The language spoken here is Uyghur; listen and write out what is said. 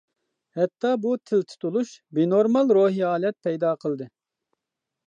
ھەتتا بۇ تىل تۇتۇلۇش بىنورمال روھىي ھالەت پەيدا قىلدى.